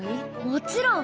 もちろん！